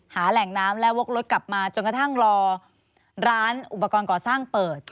แหล่งน้ำและวกรถกลับมาจนกระทั่งรอร้านอุปกรณ์ก่อสร้างเปิด